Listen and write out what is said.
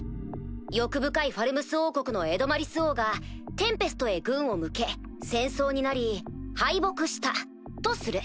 「欲深いファルムス王国のエドマリス王がテンペストへ軍を向け戦争になり敗北した」とする。